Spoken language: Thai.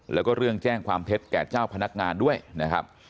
แล้วก็เรื่องแจ้งความเท็จแก่เจ้าพนักงานด้วยนะครับ